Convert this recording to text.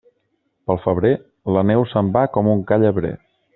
Pel febrer, la neu se'n va com un ca llebrer.